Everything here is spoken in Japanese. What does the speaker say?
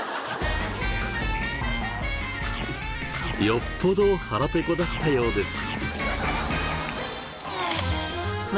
よっぽど腹ぺこだったようです。